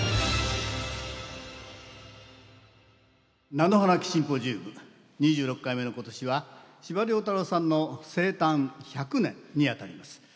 菜の花忌シンポジウム２６回目の今年は司馬太郎さんの生誕１００年にあたります。